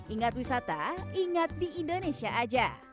ingat wisata ingat di indonesia aja